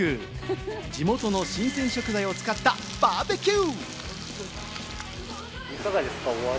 地元の新鮮食材を使ったバーベキュー！